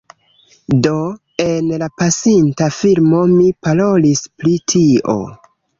Do en la pasinta filmo mi parolis pri tio